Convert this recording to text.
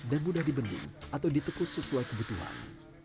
dan mudah dibending atau ditekus sesuai kebutuhan